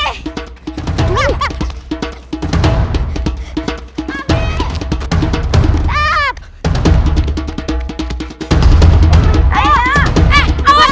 eh awas awas